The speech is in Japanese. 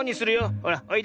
ほらおいで。